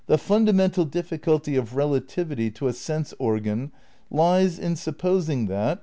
The "fundamental difficulty" of relativity to a sense organ lies in supposing that